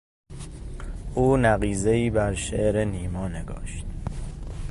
او نقیضهای بر شعر نیما نگاشت.